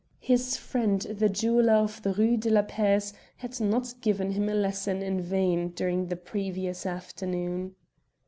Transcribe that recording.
His friend the jeweller of the Rue de la Paix had not given him a lesson in vain during the previous afternoon.